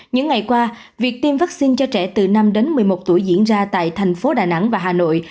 những ngày qua việc tiêm vaccine cho trẻ từ năm đến một mươi một tuổi diễn ra tại thành phố đà nẵng và hà nội